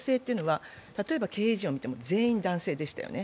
例えば経営陣を見ても全員男性でしたよね。